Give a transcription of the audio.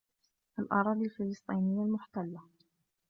الأراضي الفلسطينية المحتلة